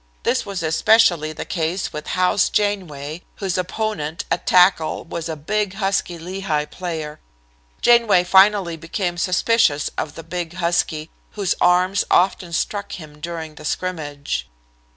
This was especially the case with House Janeway, whose opponent, at tackle, was a big husky Lehigh player. Janeway finally became suspicious of the big husky, whose arms often struck him during the scrimmage.